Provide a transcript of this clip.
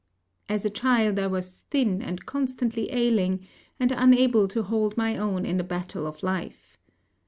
As a child, I was thin and constantly ailing, and unable to hold my own in the battle of life.